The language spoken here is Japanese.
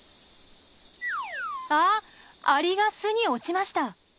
あっアリが巣に落ちました。